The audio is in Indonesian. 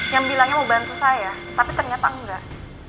yang bilangnya mau bantu saya tapi ternyata enggak